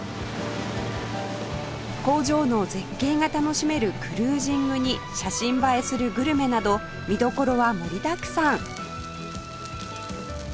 工場の絶景が楽しめるクルージングに写真映えするグルメなど見どころは盛りだくさん